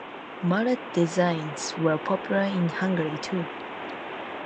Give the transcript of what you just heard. Mallet designs were popular in Hungary, too.